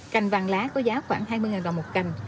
cành vàng lá có giá khoảng hai mươi đồng một cành